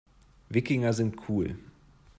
Wikinger sind cool.